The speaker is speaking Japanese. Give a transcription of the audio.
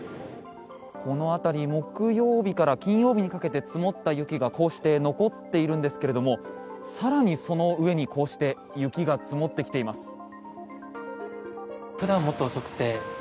この辺り木曜日から金曜日にかけて積もった雪がこうして残っているんですが更にその上にこうして雪が積もってきています。